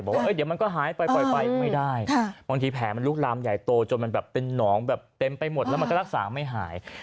บอกว่าเดี๋ยวมันก็หายไปปล่อยไปไม่ได้บางทีแผลมันลุกลามใหญ่โตจนมันแบบเป็นหนองแบบเต็มไปหมดแล้วมันก็รักษาไม่หาย